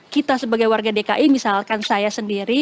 kita sebagai warga dki misalkan saya sendiri